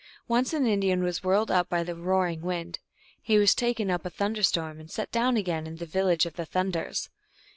Once an Indian was whirled up by the roaring* wind : he was taken up in a thunder storm, and set down again in the village of the Thunders.